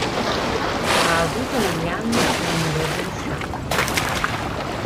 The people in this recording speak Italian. Ha avuto negli anni numerose ristampe.